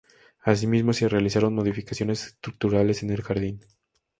Asimismo, se realizaron modificaciones estructurales en el jardín.